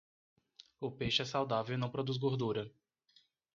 O peixe é saudável e não produz gordura.